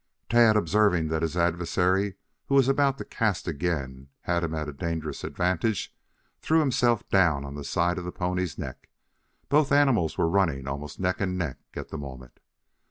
Tad observing that his adversary, who was about to cast again, had him at a dangerous advantage, threw himself down on the side of the pony's neck. Both animals were running almost neck and neck at the moment.